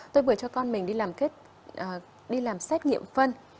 tôi vừa cho con mình đi làm xét nghiệm phân